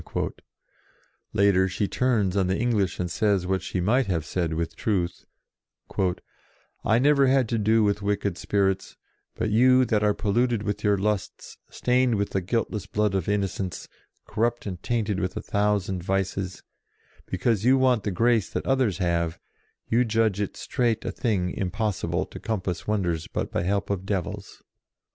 Later she turns on the English, and says what she might have said with truth : 41 I never had to do with wicked spirits : But you, that are polluted with your lusts, Stained with the guiltless blood of innocents, Corrupt and tainted with a thousand vices, ioo JOAN OF ARC Because you want the grace that others have, You judge it straight a thing impossible To compass wonders but by help of devils."